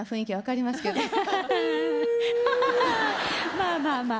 まあまあまあ。